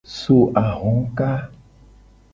So ahoka.